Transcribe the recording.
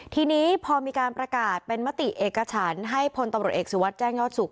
ทีนี้พอมีการประกาศเป็นมติเอกฉันให้พลตำรวจเอกสุวัสดิแจ้งยอดสุข